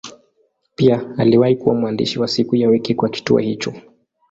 Pia aliwahi kuwa mwandishi wa siku ya wiki kwa kituo hicho.